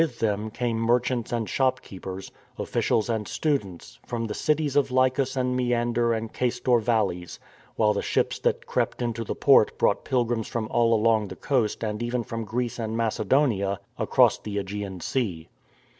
With them came merchants and shop keepers, officials and students, from the cities of the Lycus and Meander and Caistor valleys, while the ships that crept into the port brought pilgrims from all along the coast and even from Greece and Mace donia across the yEgean Sea.